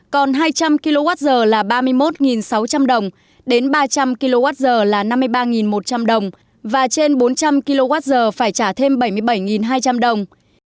còn hai trăm linh kwh là ba mươi một sáu trăm linh đồng đến ba trăm linh kwh là năm mươi ba một trăm linh đồng và trên bốn trăm linh kwh phải trả thêm bảy mươi bảy hai trăm linh đồng